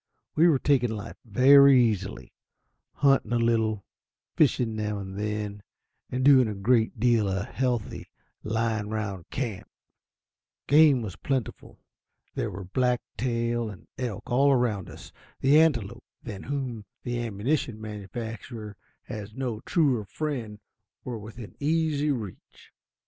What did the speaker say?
We were taking life very easily hunting a little, fishing now and then, and doing a great deal of healthy "lying round camp." Game was very plentiful. There were black tail and elk all around us. The antelope, than whom the ammunition manufacturer has no truer friend, were within easy reach.